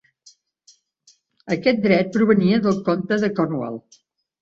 Aquest dret provenia del comte de Cornwall.